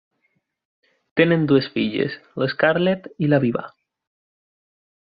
Tenen dues filles, l'Scarlett i la Viva.